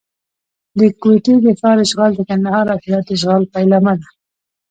د کوټې د ښار اشغال د کندهار او هرات د اشغال پیلامه ده.